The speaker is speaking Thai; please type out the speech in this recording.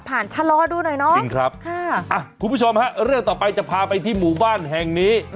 ผ่านชะลอดูหน่อยเนอะค่ะคุณผู้ชมครับเรื่องต่อไปจะพาไปที่หมู่บ้านแห่งนี้